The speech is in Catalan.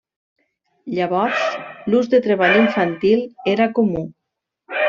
Llavors l'ús de treball infantil era comú.